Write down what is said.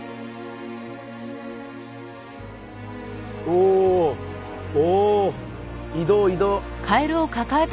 おお移動移動。